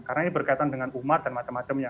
karena ini berkaitan dengan umat dan macam macamnya